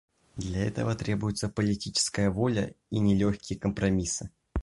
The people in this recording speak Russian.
Для этого требуются политическая воля и нелегкие компромиссы.